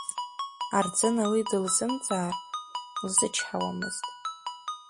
Арӡына уи дылзымҵаар лзычҳауамызт.